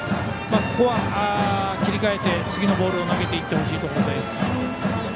ここは切り替えて次のボールを投げていってほしいところです。